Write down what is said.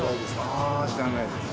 あ知らないですね。